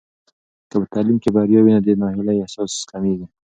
که په تعلیم کې بریا وي، نو د ناهیلۍ احساس کمېږي.